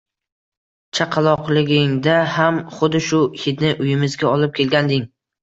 Chaqaloqligingda ham xuddi shu hidni uyimizga olib kelganding